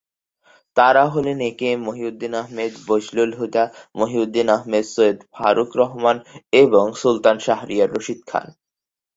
তারা হলেন A K M Mohiuddin Ahmed, Bazlul Huda, Mohiuddin Ahmed, Syed Farooq Rahman, এবং সুলতান শাহরিয়ার রশিদ খান।